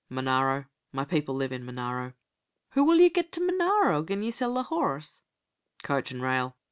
"Monaro my people live in Monaro." "Hoo will ye get to Monaro gin ye sell the horrse?" "Coach and rail.